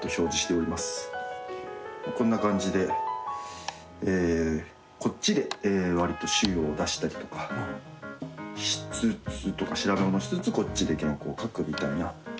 こんな感じでこっちで、わりと資料を出したりとかしつつとか調べ物をしつつこっちで原稿を書くみたいな。